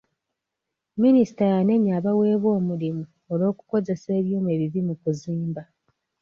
Minisita yanenya abaweebwa omulimu olw'okukozesa ebyuma ebibi mu kuzimba.